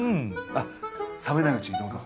あっ冷めないうちにどうぞ。